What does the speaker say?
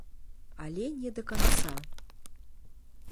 Але не да канца.